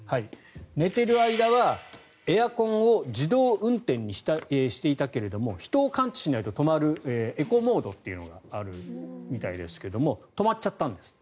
寝ている間はエアコンを自動運転にしていたけれども人を感知しないと止まるエコモードというのがあるみたいですが止まっちゃったんです。